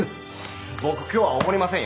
僕今日はおごりませんよ。